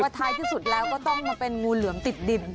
ท้ายที่สุดแล้วก็ต้องมาเป็นงูเหลือมติดดิน